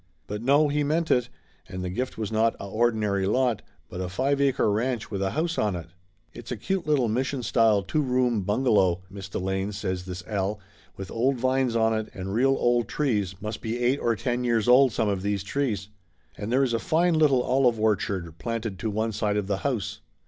But no, he meant it, and the gift was not a ordinary lot, but a five acre ranch with a house on it. "It's a cute little Mission style two room bungalow, 226 Laughter Limited Miss Delane," says this Al, "with old vines on it, and real old trees must be eight or ten years old, some of those trees. And there is a fine little olive orchard planted to the one side of the house!"